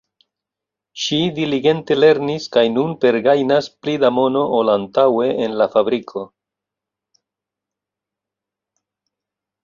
Ŝi diligente lernis kaj nun pergajnas pli da mono ol antaŭe en la fabriko.